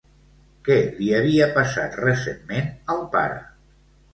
Què li havia passat recentment al pare?